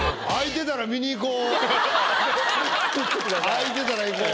空いてたら行こう。